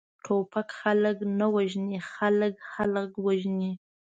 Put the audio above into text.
ټوپک خلک نه وژني، خلک، خلک وژني!